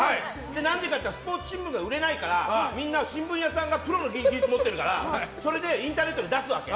何でかというとスポーツ新聞が売れないからみんな新聞屋さんがプロの技術を持ってるからそれでインターネットに出すわけ。